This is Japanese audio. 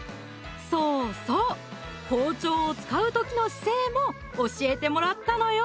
そうそう包丁を使う時の姿勢も教えてもらったのよ